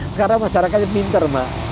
sekarang masyarakatnya pinter pak